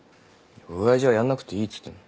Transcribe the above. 親父はやんなくていいっつってんの。